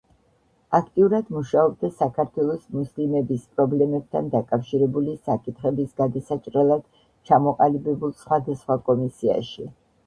აქტიურად მუშაობდა საქართველოს მუსლიმების პრობლემებთან დაკავშირებული საკითხების გადასაჭრელად ჩამოყალიბებულ სხვადასხვა კომისიაში.